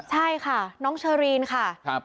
ใช่ค่ะน้องเชอรีนค่ะ